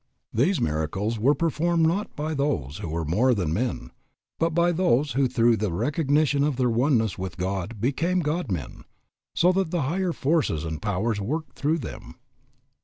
These miracles were performed not by those who were more than men, but by those who through the recognition of their oneness with God became God men, so that the higher forces and powers worked through them.